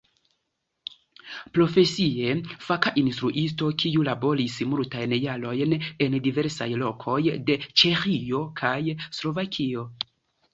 Profesie faka instruisto, kiu laboris multajn jarojn en diversaj lokoj de Ĉeĥio kaj Slovakio.